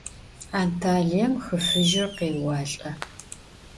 Antaliêm Xı Fıjır khêualh'e.